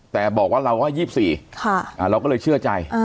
แต่บอกว่าเราก็๒๔เราก็เลยเชื่อใจ